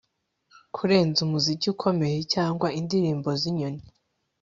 kurenza umuziki ukomeye cyangwa indirimbo zinyoni